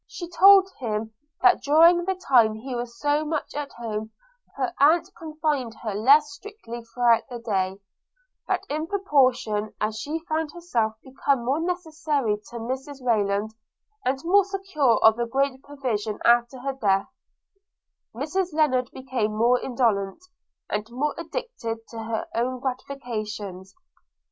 She told him, that during the time he was so much at home, her aunt confined her less strictly through the day: that in proportion as she found herself become more necessary to Mrs Rayland, and more secure of a great provision after her death, Mrs Lennard became more indolent, and more addicted to her own gratifications.